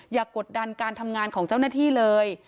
กดดันการทำงานของเจ้าหน้าที่เลย